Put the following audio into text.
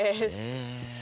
え。